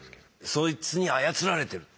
そいつに操られてる？